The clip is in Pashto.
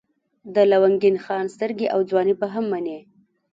د لونګین خان سترګې او ځواني به هم منئ.